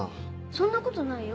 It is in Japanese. そんなことないよ。